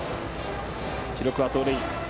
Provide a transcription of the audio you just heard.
記録は盗塁。